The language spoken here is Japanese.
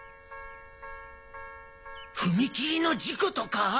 踏切の事故とか？